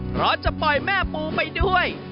เพราะจะปล่อยแม่ปูไปด้วย